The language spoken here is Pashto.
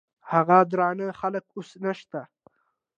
هغه درانه خلګ اوس نشته.